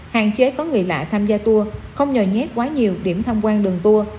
hạn chế có người lạ tham gia tour không nhờ nhét quá nhiều điểm tham quan đường tour